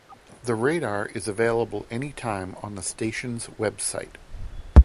The radar is available anytime on the station's website.